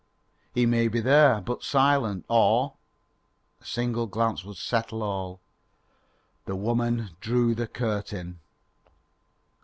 He may be there but silent, or A single glance would settle all. The woman drew the curtain.